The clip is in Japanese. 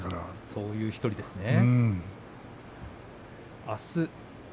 そうした１人ですね。